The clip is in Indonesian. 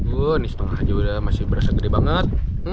wah ini setengah aja udah masih berasa gede banget